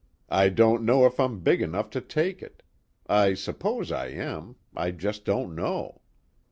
I don't know if I'm big enough to take it. I suppose I am. I just don't know.